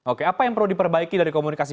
oke apa yang perlu diperbaiki dari komunikasi